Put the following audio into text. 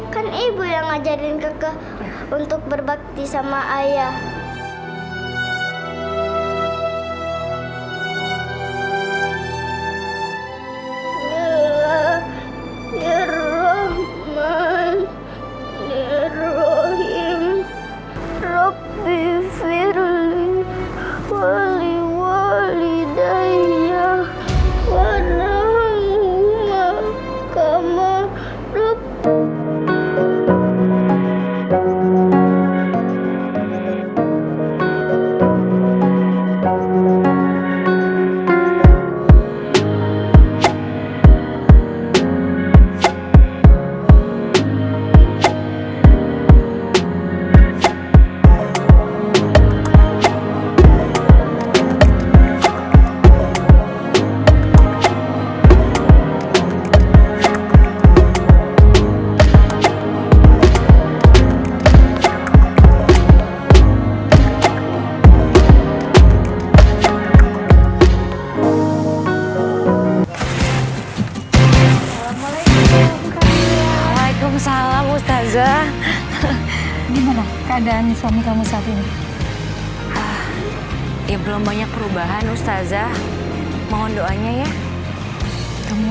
kan ibu yang ngajarin kakak untuk berbakti sama ayah